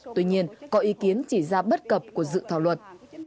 tuy nhiên có ý kiến chỉ ra bất cập của dự thảo luật